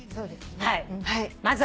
はい。